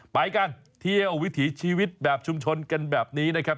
ไปกันเที่ยววิถีชีวิตแบบชุมชนกันแบบนี้นะครับ